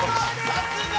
さすが！